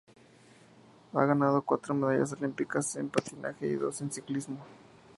Ha ganado cuatro medallas olímpicas en patinaje y dos en ciclismo.